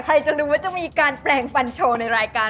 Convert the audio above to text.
ใครจะรู้ว่าจะมีการแปลงฟันโชว์ในรายการ